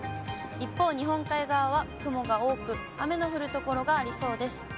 一方、日本海側は雲が多く、雨の降る所がありそうです。